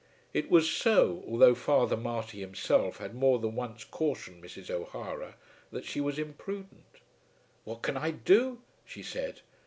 It was so, although Father Marty himself had more than once cautioned Mrs. O'Hara that she was imprudent. "What can I do?" she said.